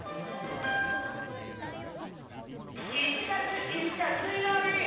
１月５日水曜日。